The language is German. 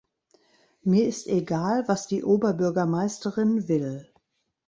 Mir ist egal, was die Oberbürgermeisterin will.